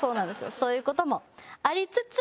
そういう事もありつつ。